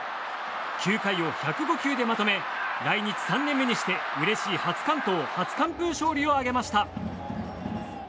９回を１０５球でまとめ来日３年目にしてうれしい初完投、初完封勝利を挙げました。